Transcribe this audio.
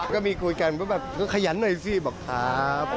ก็มีคุยกันว่าแบบก็ขยันหน่อยสิบอกครับ